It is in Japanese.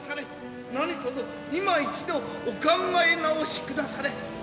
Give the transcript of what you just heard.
何とぞいま一度お考え直しくだされ。